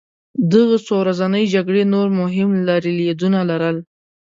دغه څو ورځنۍ جګړې نور مهم لرلېدونه لرل.